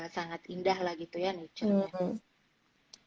sangat indah lah gitu ya naturenya